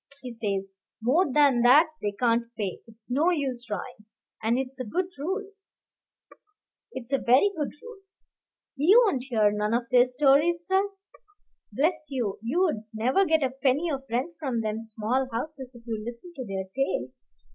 He says, 'More than that they can't pay. It's no use trying.' And it's a good rule; it's a very good rule. He won't hear none of their stories, sir. Bless you, you'd never get a penny of rent from them small houses if you listened to their tales.